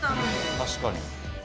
確かに。